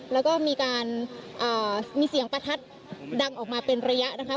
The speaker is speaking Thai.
แล้วก็มีการมีเสียงประทัดดังออกมาเป็นระยะนะคะ